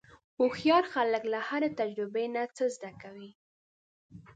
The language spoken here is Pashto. هوښیار خلک له هرې تجربې نه څه زده کوي.